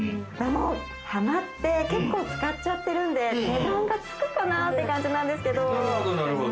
はまって結構使っちゃってるんで、値段がつくかなぁって感じなんですけど。